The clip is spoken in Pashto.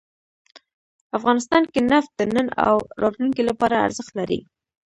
افغانستان کې نفت د نن او راتلونکي لپاره ارزښت لري.